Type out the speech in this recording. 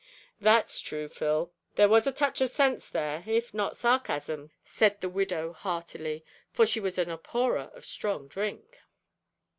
'" "That's true, Phil, there was a touch of sense there, if not sarcasm," said the widow heartily, for she was an abhorrer of strong drink!